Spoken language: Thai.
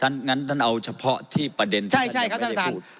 งั้นท่านเอาเฉพาะที่ประเด็นที่ท่านพูด